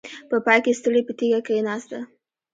په پای کې ستړې په تيږه کېناسته.